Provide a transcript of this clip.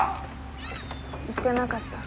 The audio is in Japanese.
言ってなかった。